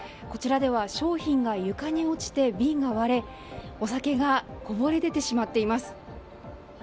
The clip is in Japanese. こちらでは商品が床に落ちて、瓶が割れお酒がこぼれ出てしまっています。